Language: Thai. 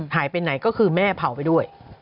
หายไปไหนก็คือแม่เผาไปด้วย